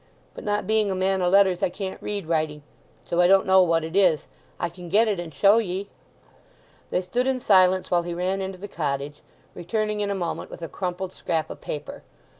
"But not being a man o' letters, I can't read writing; so I don't know what it is. I can get it and show ye." They stood in silence while he ran into the cottage; returning in a moment with a crumpled scrap of paper.